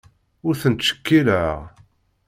Ur ten-ttcekkileɣ.